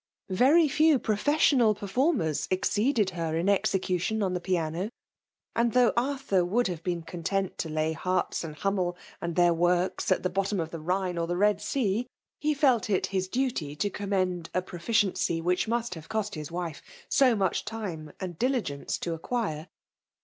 Very few VOL. I. ^ 98 FEMALE DOMINATION. professional performerB ^Doeeded her in execa tion on the piano ; and though Arthur would have been content to lay Herz and Hulhmel and their works at the bottom of the Khme 01^ the Bed Sea, he felt it his duty to commend a proficiency which must have cost his wife so much time and diligence to acquire.